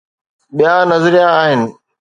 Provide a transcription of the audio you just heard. ٻيا نظريا آهن.